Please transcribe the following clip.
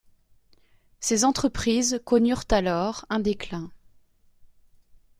Ses entreprises connurent alors un déclin.